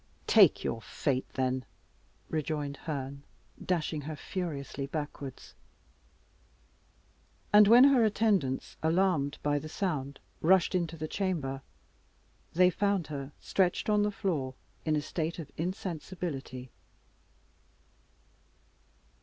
"Take your fate, then!" rejoined Herne, dashing her furiously backwards. And when her attendants, alarmed by the sound, rushed into the chamber, they found her stretched on the floor in a state of insensibility.